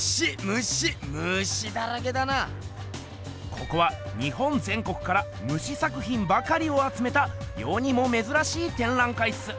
ここは日本ぜん国からムシ作ひんばかりをあつめたよにもめずらしいてんらん会っす。